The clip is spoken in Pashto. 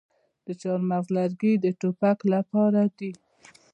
د چهارمغز لرګي د ټوپک لپاره دي.